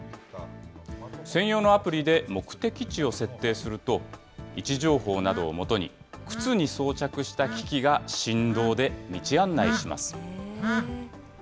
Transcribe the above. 専用のアプリで目的地を設定すると、位置情報などをもとに、靴に装着した機器が振動で道案内します。